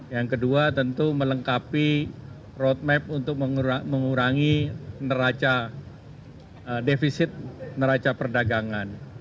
yang kedua tentu melengkapi roadmap untuk mengurangi neraca defisit neraca perdagangan